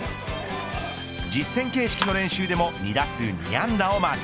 実戦形式の練習でも２打数２安打をマーク。